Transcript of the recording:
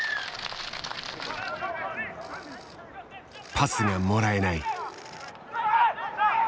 パスがもらえない。